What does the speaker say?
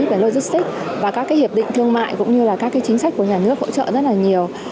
về logistics và các hiệp định thương mại cũng như là các chính sách của nhà nước hỗ trợ rất là nhiều